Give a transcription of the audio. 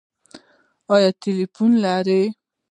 ایا ټیلیفون لرئ؟